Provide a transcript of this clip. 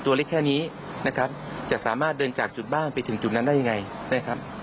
ตัวเล็กแค่นี้นะครับจะสามารถเดินจากจุดบ้านไปถึงจุดนั้นได้ยังไงนะครับ